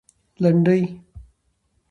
لنډۍ